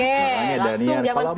oke langsung jaman sekarang